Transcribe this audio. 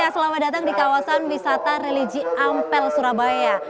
selamat datang di kawasan wisata religi ampel surabaya